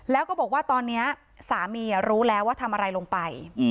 แล้วก็บอกว่าตอนนี้สามีรู้แล้วว่าทำอะไรลงไป